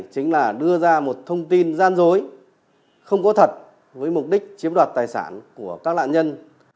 chính là đưa ra một thông tin gian dối không có thật với mục đích chiếm đoạt tài sản của các lạ nhân